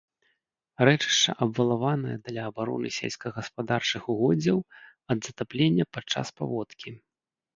Рэчышча абвалаванае для абароны сельскагаспадарчых угоддзяў ад затаплення падчас паводкі.